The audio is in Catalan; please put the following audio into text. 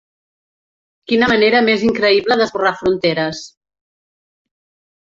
Quina manera més increïble d'esborrar fronteres.